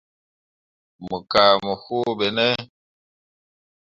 Mo kah mo foo ɓe ne.